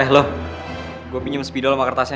eh lo gue pinjem sepidol sama kertasnya